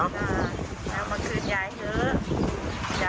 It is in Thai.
เอามาคืนยายเถอะ